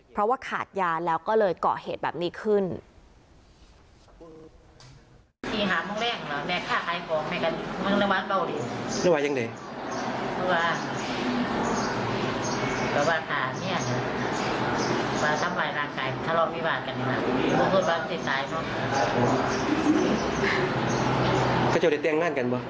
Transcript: เพราะว่าขาดยาแล้วก็เลยเกาะเหตุแบบนี้ขึ้น